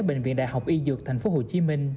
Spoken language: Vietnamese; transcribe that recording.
bệnh viện đại học y dược thành phố hồ chí minh